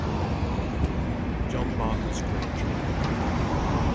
JOHN BARTON'S GREAT TROUBLE.